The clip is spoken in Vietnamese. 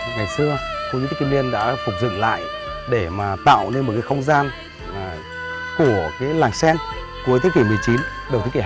ngày xưa khu di tích kim liên đã phục dựng lại để mà tạo nên một cái không gian của cái làng sen cuối thế kỷ một mươi chín đầu thế kỷ hai mươi